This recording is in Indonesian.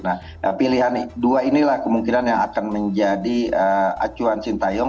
nah pilihan dua inilah kemungkinan yang akan menjadi acuan sintayong